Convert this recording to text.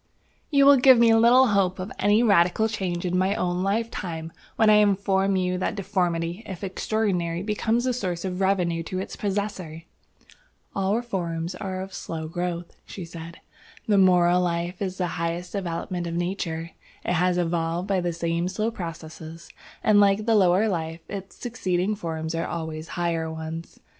"You will give me little hope of any radical change in my own lifetime when I inform you that deformity, if extraordinary, becomes a source of revenue to its possessor." "All reforms are of slow growth," she said. "The moral life is the highest development of Nature. It is evolved by the same slow processes, and like the lower life, its succeeding forms are always higher ones.